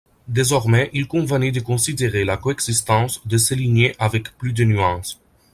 Désormais il convenait de considérer la coexistence de ces lignées avec plus de nuance.